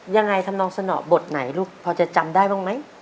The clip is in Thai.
ยังไงทำนองสนอบทไหนลูกพอจะจำได้บ้างไหม